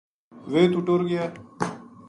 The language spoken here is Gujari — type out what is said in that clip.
ویہ اتو ٹر گیا